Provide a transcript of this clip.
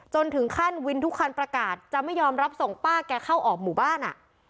ถึงขั้นวินทุกคันประกาศจะไม่ยอมรับส่งป้าแกเข้าออกหมู่บ้านอ่ะ